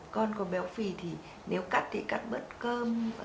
con có béo phì thì nếu cắt thì cắt bớt cơm